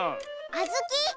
あずき。